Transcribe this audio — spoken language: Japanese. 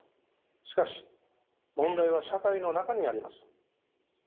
しかし問題は社会の中にあります。